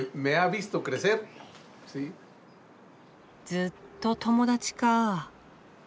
ずっと友達かぁ。